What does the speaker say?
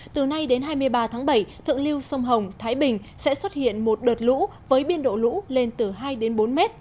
từ nay đến hai mươi ba tháng bảy thượng liêu sông hồng thái bình sẽ xuất hiện một đợt lũ với biên độ lũ lên từ hai bốn m